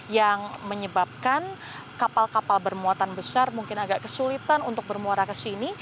yang menyebabkan kapal kapal bermuatan besar mungkin agak kesulitan untuk bermuara ke sini